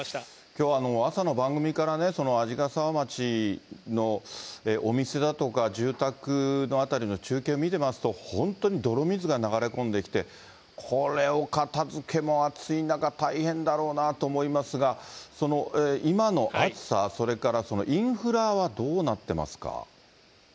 きょう、朝の番組からね、鰺ヶ沢町のお店だとか住宅の辺りの中継見てますと、本当に泥水が流れ込んできて、これを片づけも暑い中、大変だろうなと思いますが、今の暑さ、それからインフラはどうなってますか。